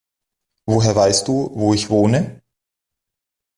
Woher weißt du, wo ich wohne?